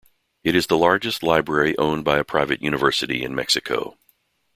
It is the largest library owned by a private university in Mexico.